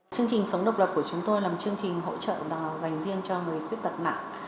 chương trình sống độc lập của chúng tôi là một chương trình hỗ trợ dành riêng cho người khuyết tật nặng